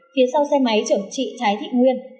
phía sau xe máy chở chị thái thị nguyên